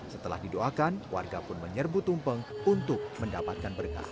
setelah didoakan warga pun menyerbu tumpeng untuk mendapatkan berkah